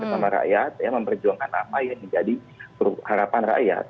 dengan rakyat ya memperjuangkan apa yang menjadi harapan rakyat